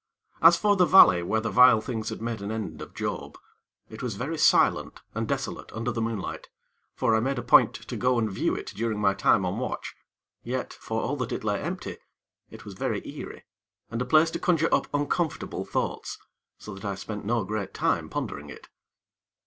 As for the valley where the vile things had made an end of Job, it was very silent and desolate under the moonlight; for I made a point to go and view it during my time on watch; yet, for all that it lay empty, it was very eerie, and a place to conjure up uncomfortable thoughts, so that I spent no great time pondering it.